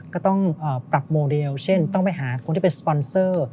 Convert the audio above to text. ก็ต้องปรับโมเดลเช่นต้องไปหาคนที่เป็นสปอนเซอร์